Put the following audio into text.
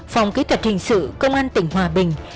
phòng kỹ thuật hình sự công an tỉnh hòa bình